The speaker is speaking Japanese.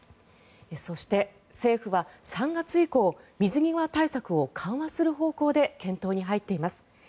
そして政府は３月以降水際対策を緩和する方向で検討に入っています。